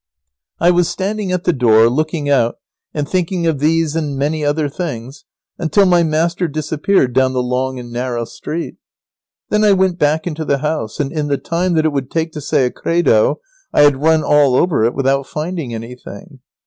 ] I was standing at the door, looking out and thinking of these and many other things until my master disappeared down the long and narrow street. Then I went back into the house, and in the time that it would take to say a credo I had run all over it without finding anything.